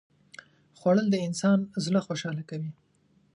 خوړل د انسان زړه خوشاله کوي